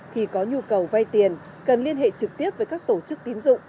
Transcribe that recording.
khi có nhu cầu vay tiền cần liên hệ trực tiếp với các tổ chức tín dụng